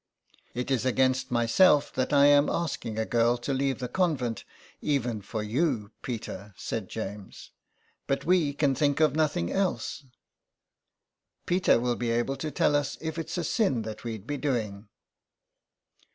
" It is against myself that I am asking a girl to leave the convent, even for you, Peter," said James. '' But we can think of nothing else." " Peter will be able to tell us if it is a sin that we'd be doing."